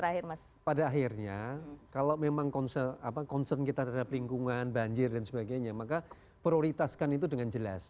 jadi pada akhirnya kalau memang concern kita terhadap lingkungan banjir dan sebagainya maka prioritaskan itu dengan jelas